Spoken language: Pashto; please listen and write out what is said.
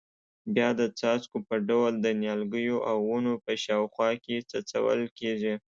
بیا د څاڅکو په ډول د نیالګیو او ونو په شاوخوا کې څڅول کېږي.